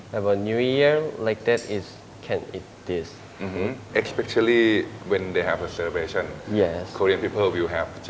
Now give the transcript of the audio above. เป็นคนเกาหลีแท้เลยนะครับ